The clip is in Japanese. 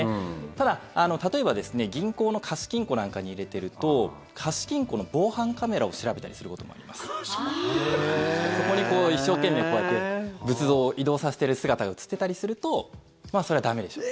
ただ、例えば銀行の貸金庫なんかに入れてると貸金庫の防犯カメラを調べたりすることもあります。そこに一生懸命、こうやって仏像を移動させてる姿が映ってたりするとそれは駄目でしょと。